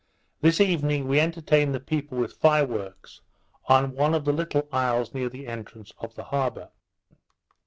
This evening we entertained the people with fire works, on one of the little isles near the entrance of the harbour.